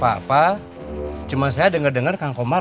jangan teman meman jong businesses set centuries